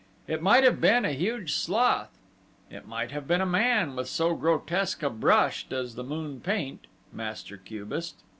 It might have been a huge sloth it might have been a man, with so grotesque a brush does the moon paint master cubist.